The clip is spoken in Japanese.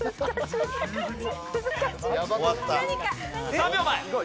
３秒前！